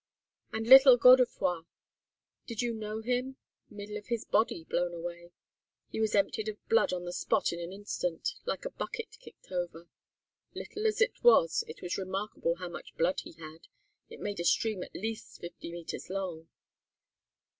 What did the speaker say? And little Godefroy did you know him? middle of his body blown away. He was emptied of blood on the spot in an instant, like a bucket kicked over. Little as he was, it was remarkable how much blood he had, it made a stream at least fifty meters long.